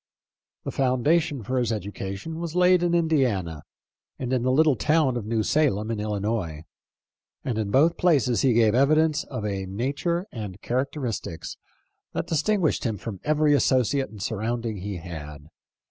The foundation for his education was laid in Indiana and in the little town of New Salem in Illinois, and in both places he gave evidence of a nature arid characteristics that distinguished him from every associate and surrounding he had.